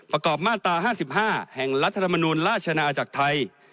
ประกอบมาตรา๕๕แห่งรัฐธรรมนูลราชนาจักรไทย